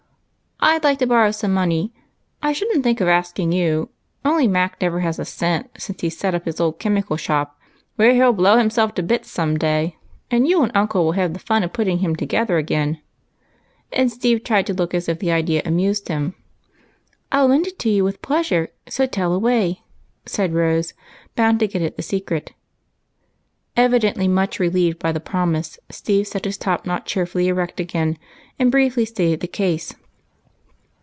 " I 'd like to borrow some money. I should n't think of asking you, only Mac never has a cent since he 's set up his old chemical shop, where he '11 blow himself to bits some day, and you and uncle will have the fun of putting him together again," and Steve tried to look as if the idea amused him. " I '11 lend it to you with pleasure, so tell away," said Rose, bound to get at the secret. Evidently much relieved by the promise, Steve set his top knot cheerfully erect again, and briefly stated the case.